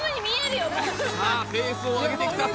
さあペースを上げてきた